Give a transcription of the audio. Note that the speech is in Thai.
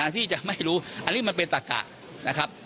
ที่จะไม่รู้อันนี้มันเป็นตะกะนะครับ